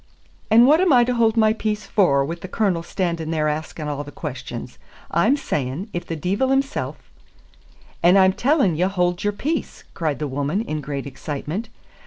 "And what am I to hold my peace for, wi' the Cornel standing there asking a' thae questions? I'm saying, if the deevil himsel " "And I'm telling ye hold your peace!" cried the woman, in great excitement.